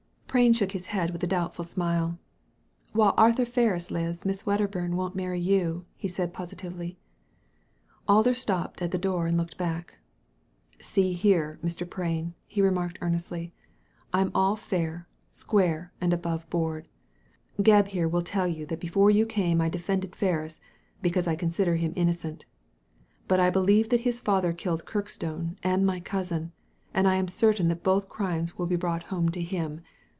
Prain shook his head with a doubtful smile. " While Arthur Ferris lives Miss Wcdderbum won't marry you," he said positively. Alder stopped at the door and looked back. *' See here, Mr. Prain," he remarked earnestly, "I'm all fair, square, and above board. Gebb here will tell you that before you came I defended Ferris, because I consider him innocent But I believe that his father killed Kirkstone and my cousin, and I am certain that both crimes will be brought home to him.